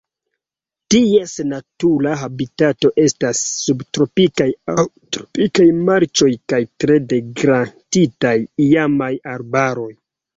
Ties natura habitato estas subtropikaj aŭ tropikaj marĉoj kaj tre degraditaj iamaj arbaroj.